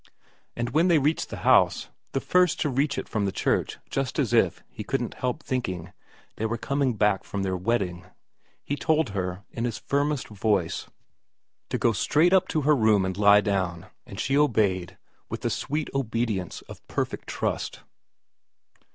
And when they reached the house, the first to reach it from the church just as if, he couldn't help thinking, they were coming back from their wedding, he told her in his firmest voice 36 VERA iv to go straight up to her room and lie down, and she obeyed with the sweet obedience of perfect trust.